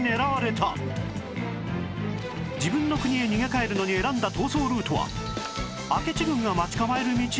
自分の国へ逃げ帰るのに選んだ逃走ルートは明智軍が待ち構える道？